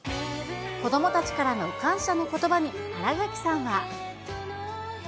子どもたちからの感謝のことばに、新垣さんは。